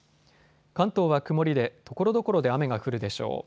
関東は曇りでところどころで雨が降るでしょう。